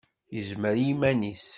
Yezmer i yiman-nnes.